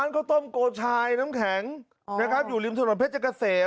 ข้าวต้มโกชายน้ำแข็งนะครับอยู่ริมถนนเพชรเกษม